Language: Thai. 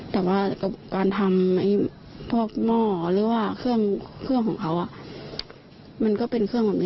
แต่ว่ากับการทำพวกหม้อหรือว่าเครื่องของเขามันก็เป็นเครื่องแบบนี้